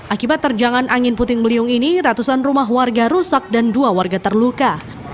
akibat terjangan angin puting beliung ini ratusan rumah warga rusak dan dua warga terluka